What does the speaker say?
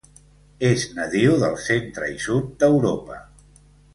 És nadiu del centre i sud d'Europa.